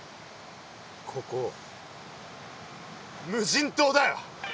ここ無人島だよ！